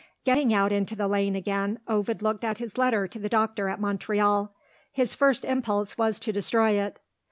Getting out into the lane again, Ovid looked at his letter to the doctor at Montreal. His first impulse was to destroy it.